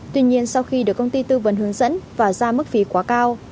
tuy nhiên sau khi được công ty tư vấn hướng dẫn và ra mức phí quá cao